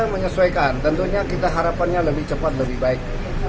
menyesuaikan tentunya kita harapannya lebih cepat lebih baik